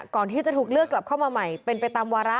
ก่อนที่จะถูกเลือกกลับเข้ามาใหม่เป็นไปตามวาระ